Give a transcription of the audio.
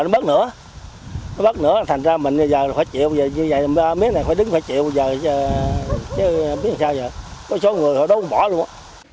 có số người họ đốt không bỏ luôn